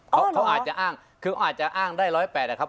เขาอาจจะอ้างคือเขาอาจจะอ้างได้๑๐๘นะครับ